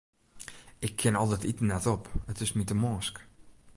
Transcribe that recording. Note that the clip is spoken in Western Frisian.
Ik kin al dat iten net op, it is my te mânsk.